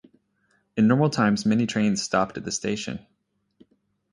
In normal times many trains stopped at this station.